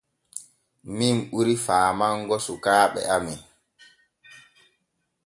Min ɓuri faamango sukaaɓe amen.